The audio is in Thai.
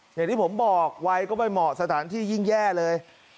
อย่างที่ผมบอกวัยก็ไม่เหมาะสถานที่ยิ่งแย่เลย